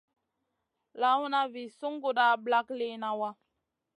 Lawna vi sunguda ɓlak liyna wa.